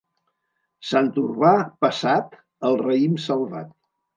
Sant Urbà passat, el raïm salvat.